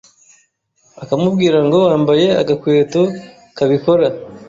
akamubwira ngo ‘wambaye agakweto kabikora.